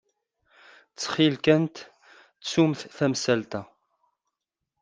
Ttxil-kent, ttumt tamsalt-a.